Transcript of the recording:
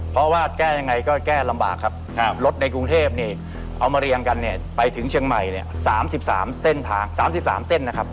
เพราะว่าแก้ยังไงก็แก้ลำบากครับรถในกรุงเทพเนี่ยเอามาเรียงกันเนี่ยไปถึงเชียงใหม่เนี่ย๓๓เส้นทาง๓๓เส้นนะครับ